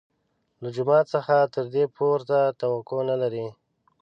له جومات څخه تر دې پورته توقع نه لري.